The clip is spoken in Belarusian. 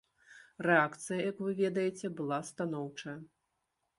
Рэакцыя, як вы ведаеце, была станоўчая.